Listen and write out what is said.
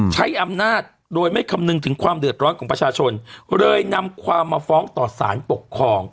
ใช้อำนาจโดยไม่คำนึงถึงความเดือดร้อนของประชาชนเลยนำความมาฟ้องต่อสารปกครอง